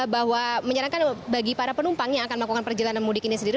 bahwa menyarankan bagi para penumpang yang akan melakukan perjalanan mudik ini sendiri